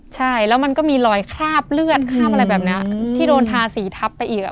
ใช่แล้วมันก็มีรอยคราบเลือดคราบอะไรแบบนี้ที่โดนทาสีทับไปอีก